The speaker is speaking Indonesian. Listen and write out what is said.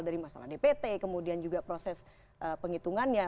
dari masalah dpt kemudian juga proses penghitungannya